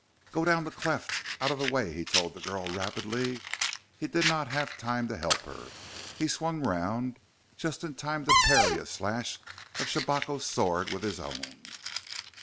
"Go down the cleft, out of the way!" he told the girl rapidly. He did not have time to help her; he swung round just in time to parry a slash of Shabako's sword with his own.